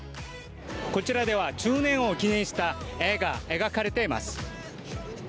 こちらでは１０年を記念した絵が描かれています。